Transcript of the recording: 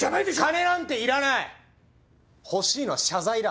金なんていらない欲しいのは謝罪だ。